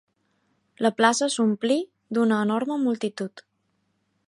La plaça s'omplí d'una enorme multitud